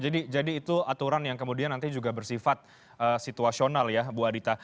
itu aturan yang kemudian nanti juga bersifat situasional ya bu adita